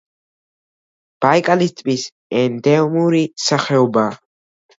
ბაიკალის ტბის ენდემური სახეობაა.